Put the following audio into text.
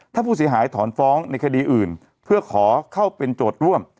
ถ้าผู้เสียหายถอนฟ้องในคดีอื่นเพื่อขอเข้าเป็นโจทย์ร่วม